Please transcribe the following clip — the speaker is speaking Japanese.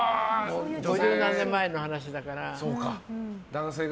何十年も前の話だから。